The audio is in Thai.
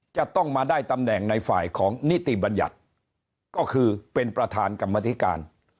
จะต้องมาได้ตำแหน่งในฝ่ายของนิติบัญญัติก็คือเป็นประธานกรรมธิการ